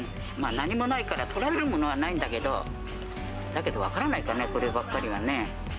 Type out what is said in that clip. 何もないから、とられるものはないんだけど、だけど分からないからね、こればっかりはね。